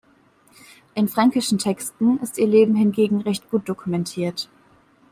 In fränkischen Texten ist ihr Leben hingegen recht gut dokumentiert.